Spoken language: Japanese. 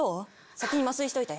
先に麻酔しといて。